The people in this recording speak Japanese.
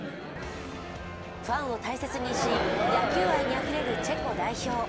ファンを大切にし、野球愛にあふれるチェコ代表。